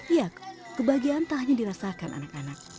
ya kebahagiaan tak hanya dirasakan anak anak